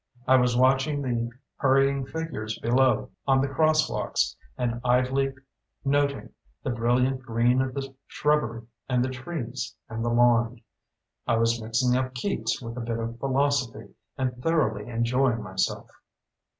I was watching the hurrying figures below on the crosswalks and idly noting the brilliant green of the shrubbery and the trees and the lawn. I was mixing up Keats with a bit of philosophy and thoroughly enjoying myself.